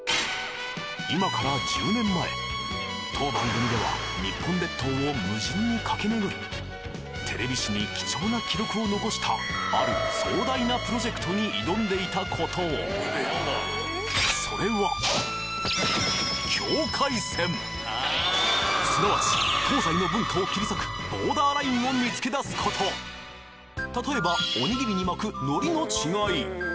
今から１０年前当番組では日本列島を無尽に駆け巡るテレビ史に貴重な記録を残したある壮大なプロジェクトに挑んでいたことをそれはすなわち東西の文化を切り裂くボーダーラインを見つけだすこと例えばおにぎりに巻く海苔の違い